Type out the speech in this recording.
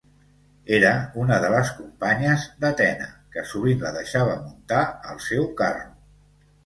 Era una de les companyes d'Atena, que sovint la deixava muntar al seu carro.